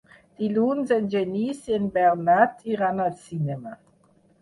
Dilluns en Genís i en Bernat iran al cinema.